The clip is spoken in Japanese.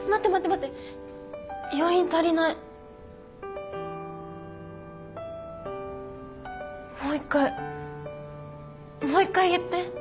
もう一回もう一回言って。